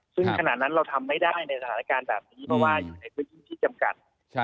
ซึ่งขณะนั้นเราทำไม่ได้ในสถานการณ์แบบนี้เพราะว่าอยู่ในพื้นที่ที่จำกัด